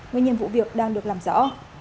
nguyên nhân vụ việc đang được làm rõ